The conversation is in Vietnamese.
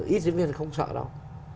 ít diễn viên thì không sợ đâu